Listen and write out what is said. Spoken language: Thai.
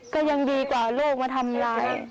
ก็ยังดีกว่าลูกมาทำร้าย